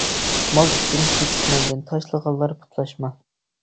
مال ئۈچۈن كېچىپ مەندىن، تاشلىغانلار پۇتلاشما.